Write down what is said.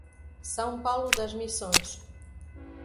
São Paulo das Missões